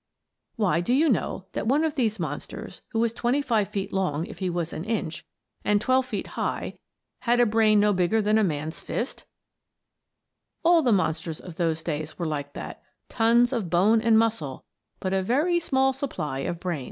Why, do you know that one of these monsters, who was twenty five feet long if he was an inch, and twelve feet high, had a brain no bigger than a man's fist? All the monsters of those days were like that tons of bone and muscle, but a very small supply of brains. That is to say, no descendants worthy of them.